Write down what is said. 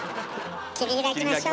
切り開きましょう。